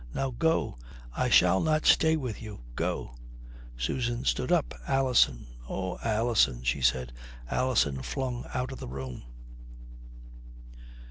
Now, go. I shall not stay with you. Go." Susan stood up. "Alison, oh, Alison," she said. Alison flung out of the room.